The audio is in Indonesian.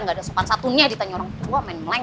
gak ada sopan satunya ditanya orang tua main meleng